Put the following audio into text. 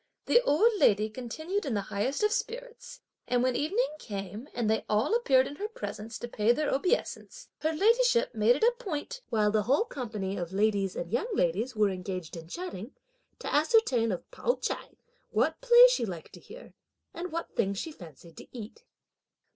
The old lady continued in the highest of spirits, and, when evening came, and they all appeared in her presence to pay their obeisance, her ladyship made it a point, while the whole company of ladies and young ladies were engaged in chatting, to ascertain of Pao ch'ai what play she liked to hear, and what things she fancied to eat.